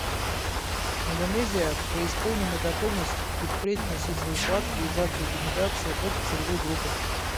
Индонезия преисполнена готовности и впредь вносить свой вклад в реализацию рекомендаций этой целевой группы.